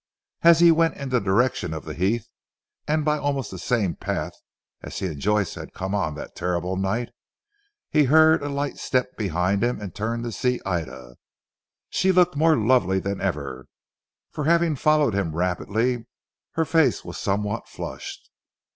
As he went in the direction of the heath, and by almost the same path as he and Joyce had come on that terrible night, he heard a light step behind and turned to see Ida. She looked more lovely than ever, for having followed him rapidly her face was somewhat flushed.